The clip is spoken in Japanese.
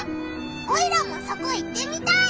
オイラもそこ行ってみたい！